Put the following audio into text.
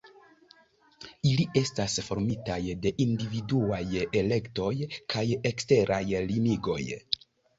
Ili estas formitaj de individuaj elektoj kaj eksteraj limigoj.